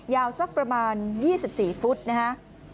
สักประมาณ๒๔ฟุตนะฮะ